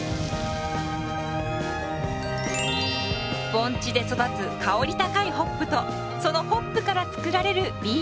盆地で育つ香り高いホップとそのホップからつくられるビール。